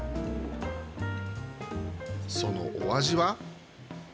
そのお味は。